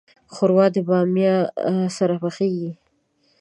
ښوروا د بامیا سره پخیږي.